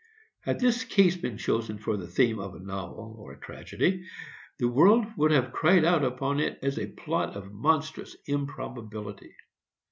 Had this case been chosen for the theme of a novel, or a tragedy, the world would have cried out upon it as a plot of monstrous improbability.